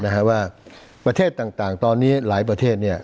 ว่าประเทศต่างตอนนี้หลายประเทศเนี่ย